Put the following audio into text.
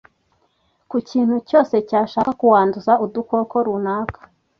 ku kintu cyose cyashaka kuwanduza udukoko runaka